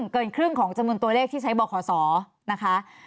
เกินครึ่งของจำนวนตัวเลขที่ใช้บขศนะคะ